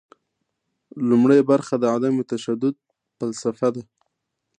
لومړۍ برخه د عدم تشدد فلسفه ده.